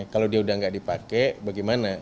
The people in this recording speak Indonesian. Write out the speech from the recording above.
kalau dia udah nggak dipakai bagaimana